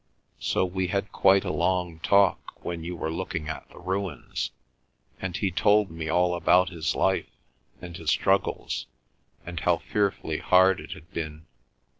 So we had quite a long talk when you were looking at the ruins, and he told me all about his life, and his struggles, and how fearfully hard it had been.